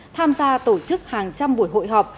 tham gia tổ chức hàng trăm buổi hội họp